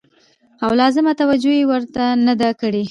او لازمه توجع يې ورته نه ده کړې